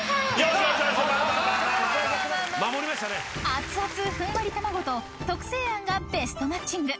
［熱々ふんわり卵と特製あんがベストマッチング］